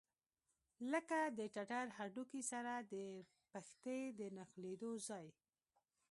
لکه د ټټر له هډوکي سره د پښتۍ د نښلېدلو ځای.